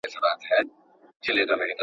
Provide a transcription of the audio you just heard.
طلاق کوم انسانان سره بيلوي؟